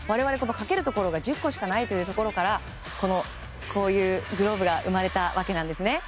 かけるところが１０個しかないというところからこういうグローブが生まれたわけなんですね。